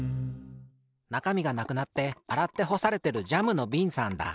なかみがなくなってあらってほされてるジャムのびんさんだ。